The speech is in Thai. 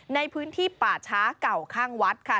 ในพื้นที่ป่าช้าเก่าข้างวัดค่ะ